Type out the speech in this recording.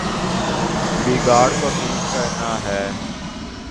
بگاڑ کو ٹھیک کرنا ہے۔